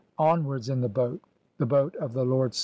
223 "onwards in the boat, the boat of the lord Sa.